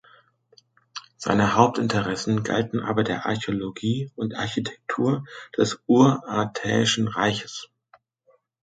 Seine Hauptinteressen galten aber der Archäologie und Architektur des Urartäischen Reiches.